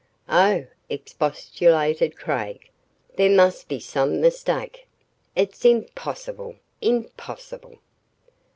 "Oh," expostulated Craig, "there must be some mistake. It's impossible impossible."